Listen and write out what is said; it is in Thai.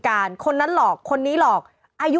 หลากหลายรอดอย่างเดียว